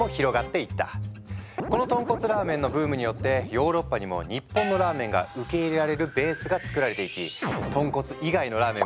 この豚骨ラーメンのブームによってヨーロッパにも日本のラーメンが受け入れられるベースが作られていき